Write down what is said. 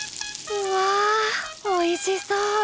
うわおいしそう。